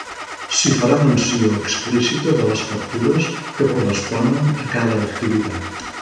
S'hi farà menció explícita de les factures que corresponen a cada activitat.